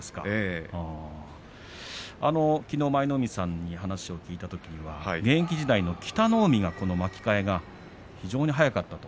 きのう舞の海さんに話を聞いたときには現役時代、北の湖がこの巻き替えが非常に速かったと。